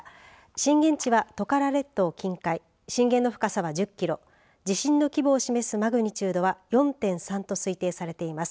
震源地はトカラ列島近海震源の深さは１０キロ地震の規模を示すマグニチュードは４．３と推定されています。